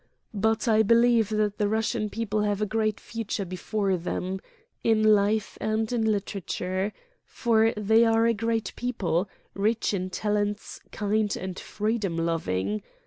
But I believe that the Russian people have a great future before them in life and in literature for they are a great people, rich in talents, kind and freedom loving.